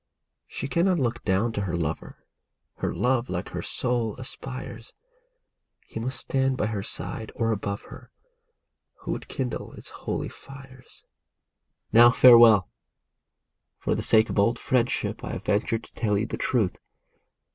She cannot look down to her lover ; her love, like her soul, aspires ; He must stand by her side, or above her, who would kindle its holy fires. Now, farewell ! For the sake of old friendship I have ventured to tell you the truth.